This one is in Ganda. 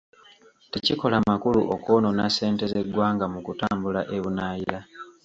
Tekikola makulu okwonoona ssente z’eggwanga mu kutambula ebunaayira.